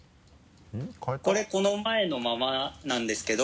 これこの前のままなんですけど。